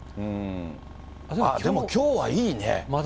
でもきょうはいいね。